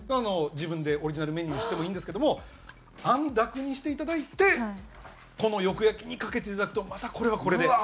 自分でオリジナルメニューにしてもいいんですけどもあんだくにして頂いてこのよく焼きにかけて頂くとまたこれはこれで。